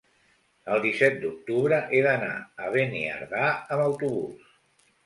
El disset d'octubre he d'anar a Beniardà amb autobús.